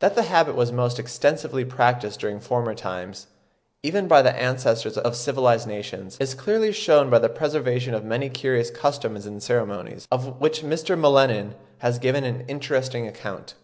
That the habit was most extensively practised during former times, even by the ancestors of civilised nations, is clearly shewn by the preservation of many curious customs and ceremonies, of which Mr. M'Lennan has given an interesting account.